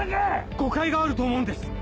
誤解があると思うんです！